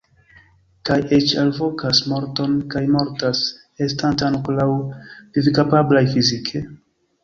Kaj eĉ alvokas morton kaj mortas, estante ankoraŭ vivkapablaj fizike?